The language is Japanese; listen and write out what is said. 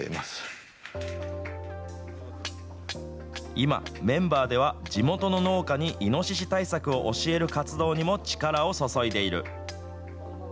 今、メンバーでは地元の農家にイノシシ対策を教える活動にも力を注いでいる。